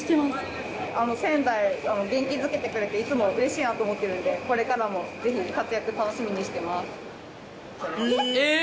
仙台を元気づけてくれて、いつもうれしいなと思ってるんで、これからもぜひ、活躍楽しみにしえー！